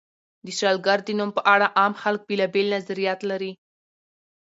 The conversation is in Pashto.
د شلګر د نوم په اړه عام خلک بېلابېل نظریات لري.